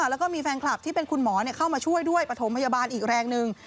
แล้วก็มีแฟนคลับที่เป็นคุณหมอเข้ามาช่วยด้วยปฐมพยาบาลอีกแรงหนึ่ง